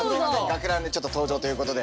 学ランでちょっと登場ということで。